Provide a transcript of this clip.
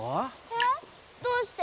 えっどうして？